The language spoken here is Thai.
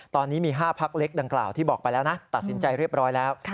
ตอนนี้มี๕พักเล็กดังกล่าวที่บอกไปแล้วนะตัดสินใจเรียบร้อยแล้ว